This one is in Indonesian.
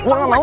gue gak mau